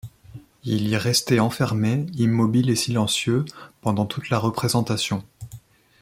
Il y restait enfermé, immobile et silencieux, pendant toute la représentation.